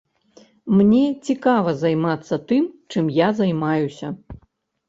Мне цікава займацца тым, чым я займаюся.